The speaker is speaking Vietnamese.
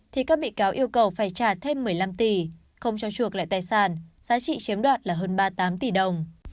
thì các bị cáo yêu cầu phải trả thêm một mươi năm tỷ không cho chuộc lại tài sản giá trị chiếm đoạt là hơn ba mươi tám tỷ đồng